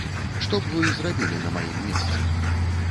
Што б вы зрабілі на маім месцы?